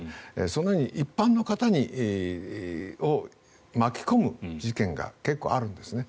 そのように一般の方を巻き込む事件が結構あるんですね。